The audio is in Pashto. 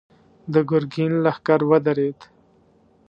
د ګرګين لښکر ودرېد.